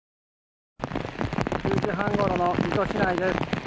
午前１０時半ごろの水戸市内です。